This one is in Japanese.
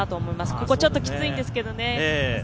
ここちょっときついんですけどね。